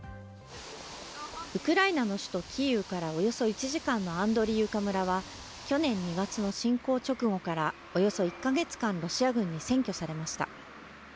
ウクライナの首都キーウからおよそ１時間のアンドリーウカ村は、去年２月の侵攻直後から、およそ１か月間ロシア軍に占拠されました。